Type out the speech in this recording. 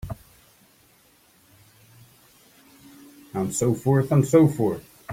And so forth and so forth.